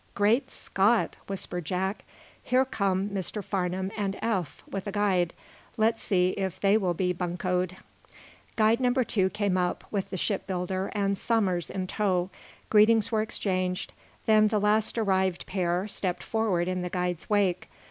"Great Scott!" whispered Jack. "Here come Mr. Farnum and Eph with a guide. Let's see if they will be buncoed." Guide number two came up, with the shipbuilder and Somers in tow. Greetings were exchanged. Then the last arrived pair stepped forward in the guide's wake.